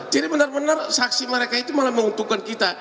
jadi benar benar saksi mereka itu malah menguntungkan kita